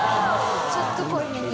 ちょっと濃いめに。